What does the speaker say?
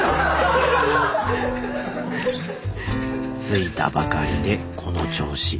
着いたばかりでこの調子。